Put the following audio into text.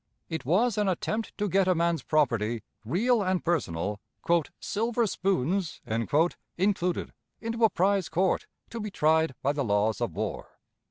It was an attempt to get a man's property, real and personal, "silver spoons" included, into a prize court, to be tried by the laws of war.